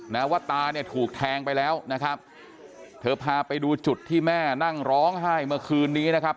นะว่าตาเนี่ยถูกแทงไปแล้วนะครับเธอพาไปดูจุดที่แม่นั่งร้องไห้เมื่อคืนนี้นะครับ